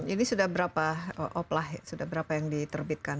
ini sudah berapa oplah sudah berapa yang diterbitkan